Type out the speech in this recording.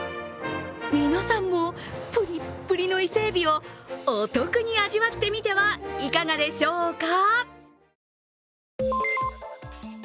皆さんもプリップリの伊勢えびをお得に味わってみてはいかがでしょうか？